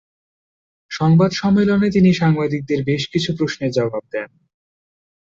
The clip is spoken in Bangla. সংবাদ সম্মেলনে তিনি সাংবাদিকদের বেশকিছু প্রশ্নের জবাব দেন।